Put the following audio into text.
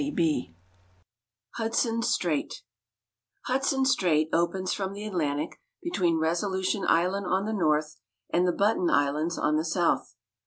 Moore HUDSON STRAIT Hudson Strait opens from the Atlantic between Resolution Island on the north and the Button Islands on the south.